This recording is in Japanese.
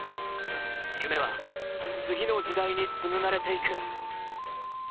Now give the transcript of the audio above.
夢は、次の時代に紡がれていく。